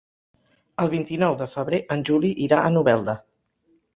El vint-i-nou de febrer en Juli irà a Novelda.